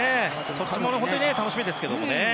そちらも本当に楽しみですけどね。